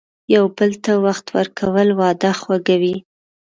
یو بل ته وخت ورکول، واده خوږوي.